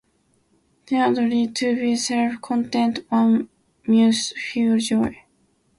Thirdly, to be self-content, one must feel joy.